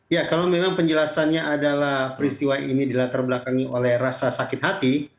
ya kalau memang penjelasannya adalah peristiwa ini dilatar belakangi oleh rasa sakit hati